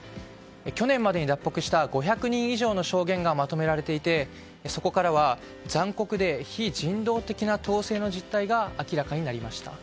去年までに脱北した５００人以上の証言がまとめられていてそこからは残酷で非人道的な統制の実態が明らかになりました。